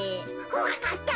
わかった！